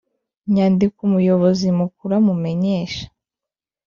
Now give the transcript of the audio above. Nyandiko umuyobozi mukuru amumenyesha